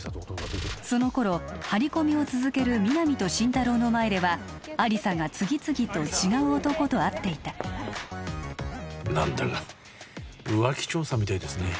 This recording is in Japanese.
その頃張り込みを続ける皆実と心太朗の前では亜理紗が次々と違う男と会っていた何だか浮気調査みたいですね